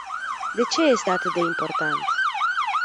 De ce este atât de important?